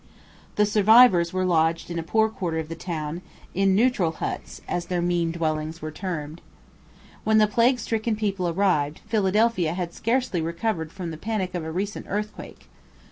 The survivors were lodged in a poor quarter of the town, in 'neutral huts,' as their mean dwellings were termed. When the plague stricken people arrived, Philadelphia had scarcely recovered from the panic of a recent earthquake.